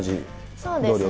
そうですね。